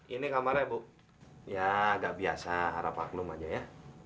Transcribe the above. ini kamarnya bu ya agak biasa arapaknum aja ya